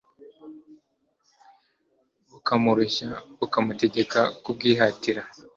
bukamurushya bumutegeka kubwihatira